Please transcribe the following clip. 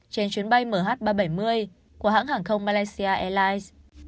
trên chuyến bay mh ba trăm bảy mươi của hãng hàng không malaysia airlines